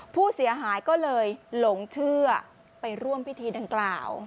ผู้เสียหายก็เลยหลงเชื่อไปร่วมพิธีดังกล่าว